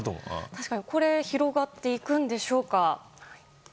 これ、広がっていくんでしょうか。